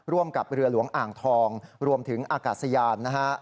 กับเรือหลวงอ่างทองรวมถึงอากาศยานนะฮะ